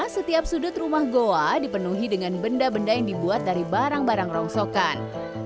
setiap sudut rumah goa dipenuhi dengan benda benda yang dibuat dari barang barang rongsokan